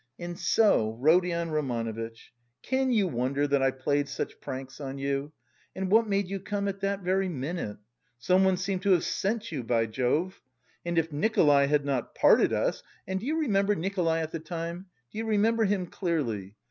"And so, Rodion Romanovitch, can you wonder that I played such pranks on you? And what made you come at that very minute? Someone seemed to have sent you, by Jove! And if Nikolay had not parted us... and do you remember Nikolay at the time? Do you remember him clearly?